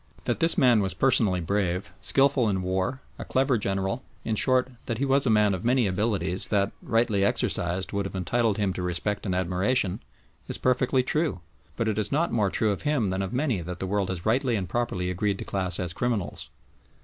That this man was personally brave, skilful in war, a clever general in short, that he was a man of many abilities that, rightly exercised, would have entitled him to respect and admiration is perfectly true, but it is not more true of him than of many that the world has rightly and properly agreed to class as criminals.